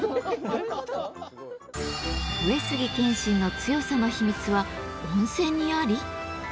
上杉謙信の強さの秘密は温泉にあり？